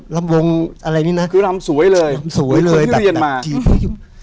รำวงอะไรนี้นะคือรำสวยเลยสวยเลยพี่เรียนมา